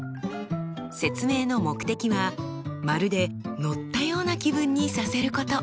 説明の目的はまるで乗ったような気分にさせること。